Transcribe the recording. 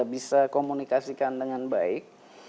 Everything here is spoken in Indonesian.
bisa komunikasikan dengan baik